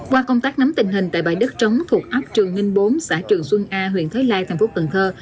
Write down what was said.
qua công tác nắm tình hình tại bãi đất trống thuộc ấp trường nghinh bốn xã trường xuân a huyện thới lai thành phố cần thơ